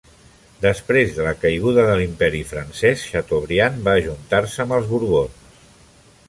Després de la caiguda de l'Imperi Francès, Chateaubriand va ajuntar-se amb els Borbons.